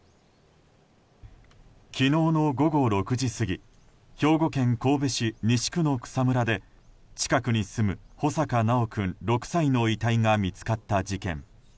昨日の午後６時過ぎ兵庫県神戸市西区の草むらで近くに住む穂坂修君、６歳の遺体が見つかった事件。